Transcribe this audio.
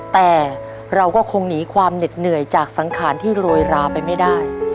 แต่เราก็คงหนีความเหน็ดเหนื่อยจากสังขารที่โรยราไปไม่ได้